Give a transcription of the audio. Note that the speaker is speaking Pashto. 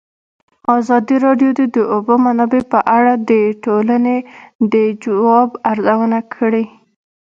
ازادي راډیو د د اوبو منابع په اړه د ټولنې د ځواب ارزونه کړې.